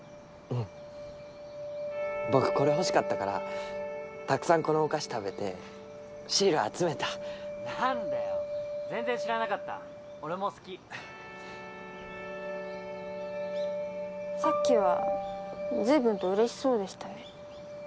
ううん僕これ欲しかったからたくさんこのお菓子食べてシール集めたなんだよ全然知らなかった俺も好きさっきは随分とうれしそうでしたね